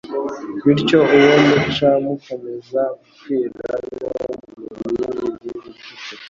Bityo uwo muco ukomeza gukwira no mu bindi bihugu utyo.